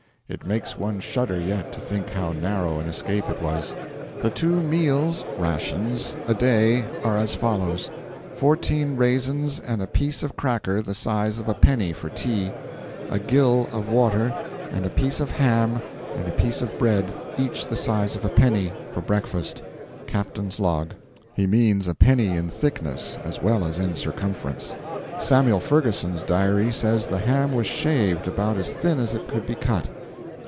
It makes one shudder yet to think how narrow an escape it was. The two meals (rations) a day are as follows: fourteen raisins and a piece of cracker the size of a penny for tea; a gill of water, and a piece of ham and a piece of bread, each the size of a penny, for breakfast. Captain's Log. He means a penny in thickness as well as in circumference. Samuel Ferguson's diary says the ham was shaved 'about as thin as it could be cut.'